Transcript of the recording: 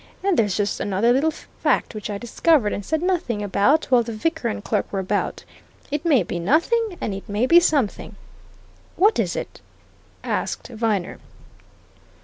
And there's just another little fact which I discovered, and said nothing about while the vicar and clerk were about it may be nothing, and it may be something." "What is it?" asked Viner.